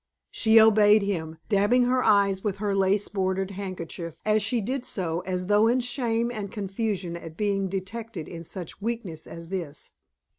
She obeyed him, dabbing her eyes with her lace bordered handkerchief as she did so, as though in shame and confusion at being detected in such weakness as this.